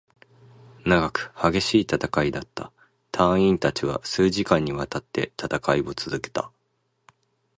長く、激しい戦いだった。隊員達は数時間に渡って戦いを続けた。